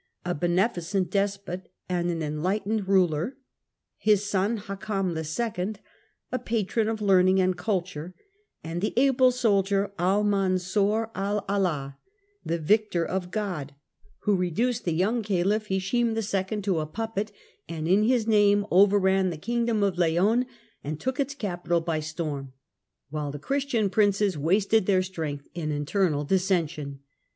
a beneficent despot and cordova an enlightened ruler, his son Hakam II., a patron of learning and culture, and the able soldier Almansor al Allah, "the Victor of God," who reduced the young 23y 240 THE CENTRAL PERIOD OF THE MIDDLE AGE caliph Hishem II. to a puppet, and in his name overran the kingdom of Leon and took its capital by storm ; while the Christian princes wasted their strength in internal dissension.